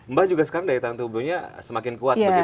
mbak juga sekarang dari tahun sebelumnya semakin kuat begitu